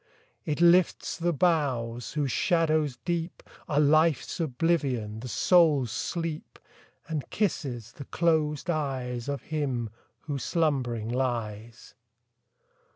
It lifts the boughs, whose shadows deep Are Life's oblivion, the soul's sleep, And kisses the closed eyes Of him, who slumbering lies.